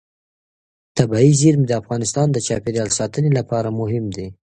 طبیعي زیرمې د افغانستان د چاپیریال ساتنې لپاره مهم دي.